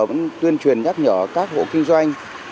vẫn tuyên truyền nhắc nhở các hộ kinh doanh